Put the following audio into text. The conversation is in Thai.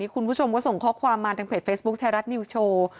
คุณผู้ชมก็ส่งข้อความมาทางเพจเฟซบุ๊คไทยรัฐนิวส์โชว์